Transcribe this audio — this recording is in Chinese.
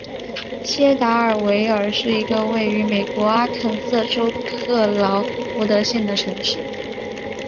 锡达尔维尔是一个位于美国阿肯色州克劳福德县的城市。